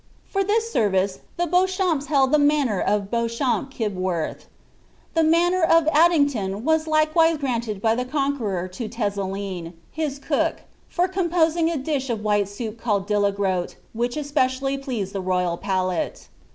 For this service the Beauchamps held the manor of Beauchamp Kib worth. The manor of Addington was likewise granted by the Conqueror to Tezelin, his cook, for composing a dish of white soup called diUegrout, which especially pleased the royal palate."